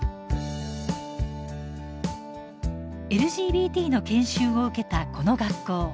ＬＧＢＴの研修を受けたこの学校。